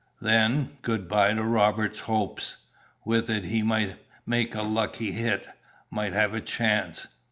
"Then, good bye to Robert's hopes! With it he might make a lucky hit; might have a chance.